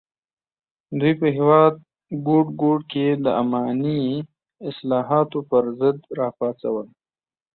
دوی په هېواد ګوټ ګوټ کې د اماني اصلاحاتو پر ضد راپاڅول.